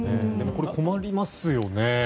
これは困りますよね。